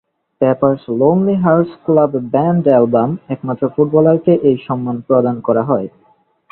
Pepper's lonely hearts club band album, একমাত্র ফুটবলারকে এই সম্মান প্রদান করা হয়।